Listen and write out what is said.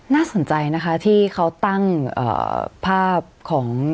น่าสนใจนะคะที่เขาตั้งภาพของ